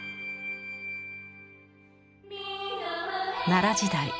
奈良時代